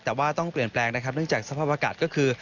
แต่ว่าต้องเปลี่ยนแปลงนะครับเนื่องจากสภาพอากาศก็คือ